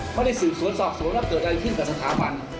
ไม่ได้สืบสวนสอบสวนว่าเกิดอะไรขึ้นกับสถาบัน